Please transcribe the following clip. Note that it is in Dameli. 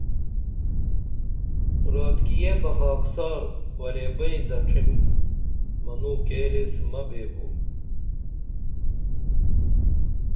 راتکیہ بہ خاکسار ورے بئیں دڇھم منوں کیر ایس مہ بیبو